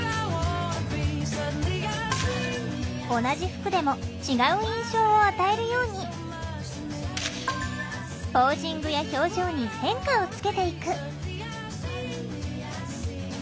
同じ服でも違う印象を与えるようにポージングや表情に変化をつけていく。